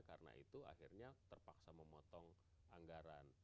karena itu akhirnya terpaksa memotong anggaran